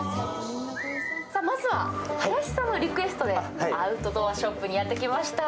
まずは林さんのリクエストでアウトドアショップにやって来ました。